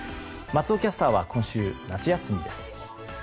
松尾キャスターは今週、夏休みです。